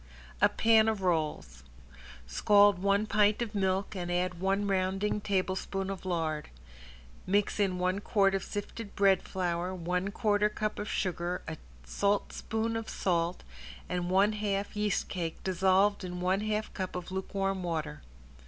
~A PAN OF ROLLS~ Scald one pint of milk and add one rounding tablespoon of lard. Mix in one quart of sifted bread flour, one quarter cup of sugar, a saltspoon of salt and one half yeast cake dissolved in one half cup of lukewarm water.